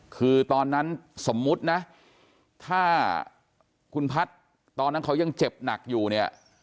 คือตอนนั้นสมมุตินะถ้าคุณพัฒน์ตอนนั้นเขายังเจ็บหนักอยู่เนี่ย